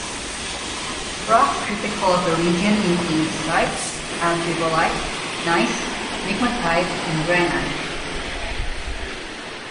Rocks typical of the region include schist, amphibolite, gneiss, migmatite, and granite.